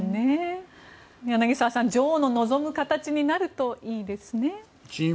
柳澤さん、女王の望む形になるといいですね。